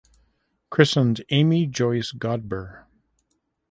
Christened Amy Joyce Godber.